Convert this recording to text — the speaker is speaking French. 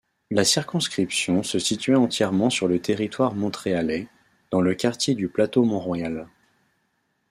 La circonscription se situait entièrement sur le territoire montréalais, dans le quartier du Plateau-Mont-Royal.